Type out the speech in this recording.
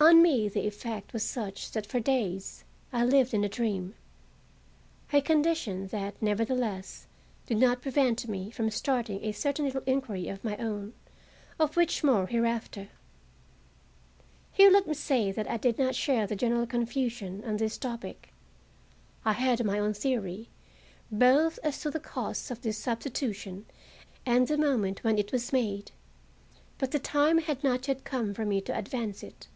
On me the effect was such that for days I lived in a dream, a condition that, nevertheless, did not prevent me from starting a certain little inquiry of my own, of which more hereafter. Here let me say that I did not share the general confusion on this topic. I had my own theory, both as to the cause of this substitution and the moment when it was made. But the time had not yet come for me to advance it.